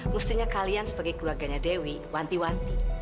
mestinya kalian sebagai keluarganya dewi wanti wanti